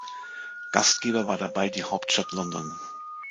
Gastgeber war dabei die Hauptstadt London.